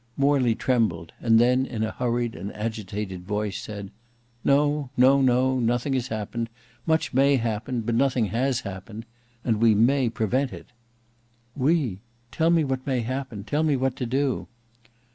Morley trembled; and then in a hurried and agitated voice, said, "No, no, no; nothing has happened. Much may happen, but nothing has happened. And we may prevent it." "We! Tell me what may happen; tell me what to do."